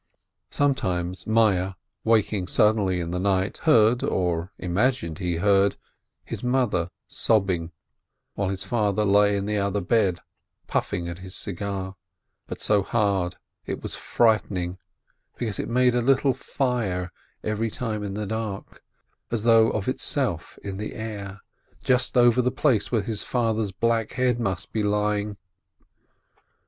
Sometimes Meyerl, waking suddenly in the night, heard, or imagined he heard, his mother sobbing, while his father lay in the other bed puffing at his cigar, but so hard, it was frightening, because it made a little fire every time in the dark, as though of itself, in the air, just over the place where his father's black head must be lying.